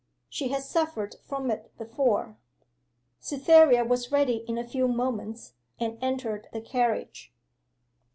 She has suffered from it before.' Cytherea was ready in a few moments, and entered the carriage.